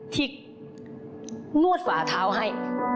ที่นวดฝาเท้าให้